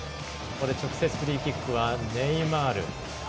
直接フリーキックはネイマール。